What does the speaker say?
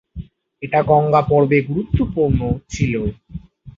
এটা গঙ্গা পর্বে গুরুত্বপূর্ণ ছিলো।